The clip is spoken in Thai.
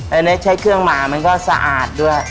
อันนี้ใช้เครื่องหมามันก็สะอาดด้วย